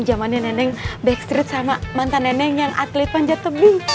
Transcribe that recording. jamannya nenek backstreet sama mantan nenek yang atlet panjat tebing